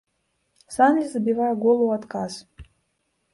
Санлі забівае гол у адказ.